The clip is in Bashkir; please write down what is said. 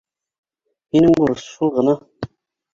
Һинең бурыс шул ғына.